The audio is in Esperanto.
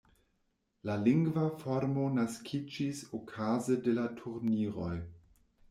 La lingva formo naskiĝis okaze de la turniroj.